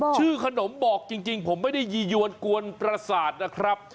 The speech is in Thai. ชื่อขนมบอกจริงผมไม่ได้ยียวนกวนประสาทนะครับ